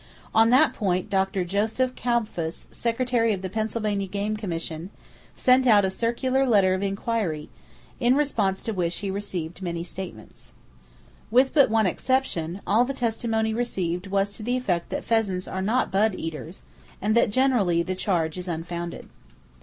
On [Page 326] that point Dr. Joseph Kalbfus, Secretary of the Pennsylvania Game Commission, sent out a circular letter of inquiry, in response to which he received many statements. With but one exception, all the testimony received was to the effect that pheasants are not bud eaters, and that generally the charge is unfounded.